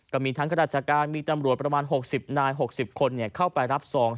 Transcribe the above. ก็มีทั้งข้าราชการมีตำรวจประมาณ๖๐นาย๖๐คนเข้าไปรับซอง